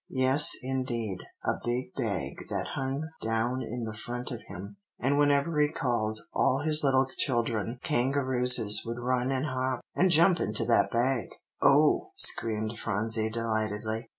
"Yes, indeed; a big bag that hung down in front of him, and whenever he called, all his little children kangarooses would run and hop, and jump into that bag." "Oh!" screamed Phronsie delightedly.